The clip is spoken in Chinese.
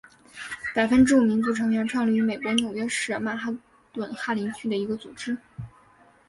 百分之五民族成员创立于美国纽约市曼哈顿哈林区的一个组织。